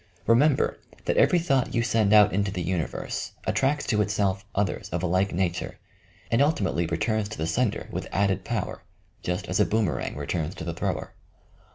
Remember that every thought you send out into the universe attracts to itself others of a like nature, and ultimately returns to the sender with added power, — just as a boomerang re turns to the thrower.